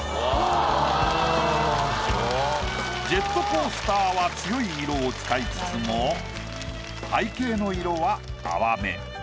ジェットコースターは強い色を使いつつも背景の色は淡め。